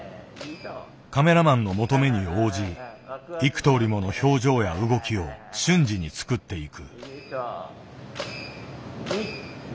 カメラマンの求めに応じ幾とおりもの表情や動きを瞬時に作っていく。